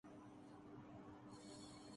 وہ انہی کی طرح بننا چاہتے تھے۔